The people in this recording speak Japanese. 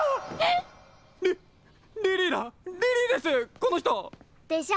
このひと！でしょ？